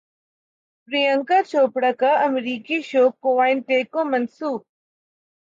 پریانکا چوپڑا کا امریکی show Quantico منسوخ